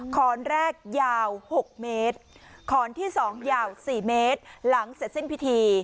ขอนแรกยาว๖เมตรขอนที่๒ยาว๔เมตรหลังเสร็จสิ้นพิธี